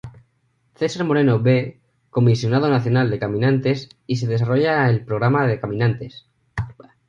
Cesar Moreno B. Comisionado Nacional de Caminantes, y se desarrolla el programa de Caminantes.